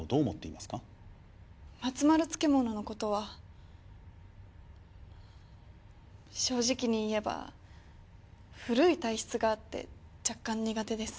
まつまる漬物のことは正直に言えば古い体質があって若干苦手です。